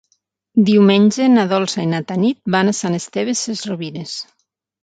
Diumenge na Dolça i na Tanit van a Sant Esteve Sesrovires.